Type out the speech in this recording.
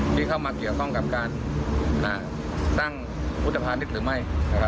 ที่เข้ามาเกี่ยวข้องกับการตั้งพุทธภานิษฐ์หรือไม่